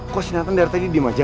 kok si nathan dari tadi diem aja